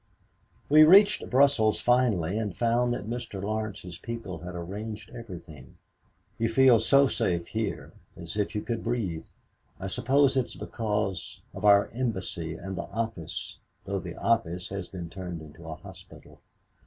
"We reached Brussels finally and found that Mr. Laurence's people had arranged everything. You feel so safe here as if you could breathe. I suppose it's because of our embassy and the office, though the office has been turned into a hospital.